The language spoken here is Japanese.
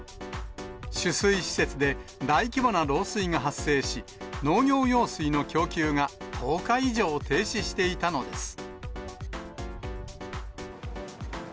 取水施設で大規模な漏水が発生し、農業用水の供給が１０日以上停止していたのです。